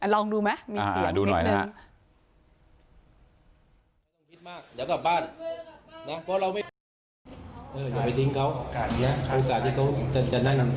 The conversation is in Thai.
ลองดูไหมมีเสียงดูนิดนึง